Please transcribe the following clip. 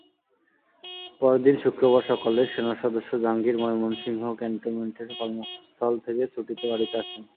পরদিন শুক্রবার সকালে সেনাসদস্য জাহাঙ্গীর ময়মনসিংহ ক্যান্টনমেন্টের কর্মস্থল থেকে ছুটিতে বাড়িতে আসেন।